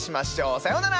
さようなら！